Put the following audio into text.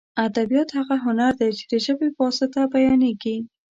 ادبیات هغه هنر دی چې د ژبې په واسطه بیانېږي.